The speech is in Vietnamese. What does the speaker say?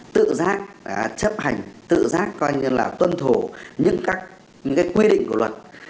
tự giác chấp hành tự giác coi như là tuân thủ những các quy định của luật